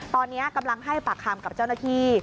ตอนนี้กำลังให้ปากคำกับเจ้าหน้าที่